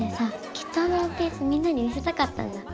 きっとあのワンピースみんなに見せたかったんだ。